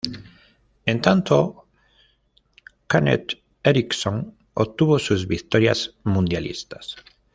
En tanto, Kenneth Eriksson obtuvo seis victorias mundialistas.